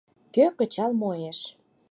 Кӧ кычал муэш?